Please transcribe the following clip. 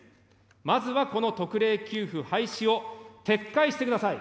まずはこの特例給付廃止を撤回してください。